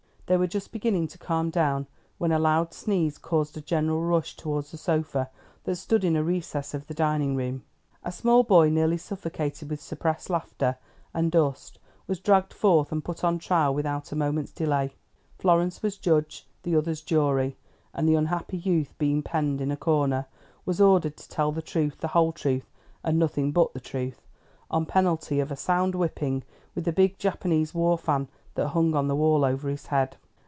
They were just beginning to calm down, when a loud sneeze caused a general rush toward the sofa that stood in a recess of the dining room. A small boy, nearly suffocated with suppressed laughter, and dust, was dragged forth and put on trial without a moment's delay. Florence was judge, the others jury, and the unhappy youth being penned in a corner, was ordered to tell the truth, the whole truth, and nothing but the truth, on penalty of a sound whipping with the big Japanese war fan that hung on the wall over his head.